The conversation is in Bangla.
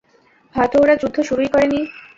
হয়তো ওরা যুদ্ধ শুরুই করেনি।